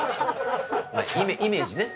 イメージね。